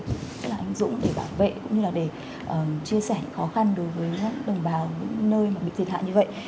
tức là anh dũng để bảo vệ cũng như là để chia sẻ những khó khăn đối với đồng bào nơi bị thiệt hại như vậy